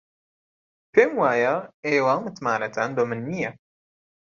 پێم وایە ئێوە متمانەتان بە من نییە.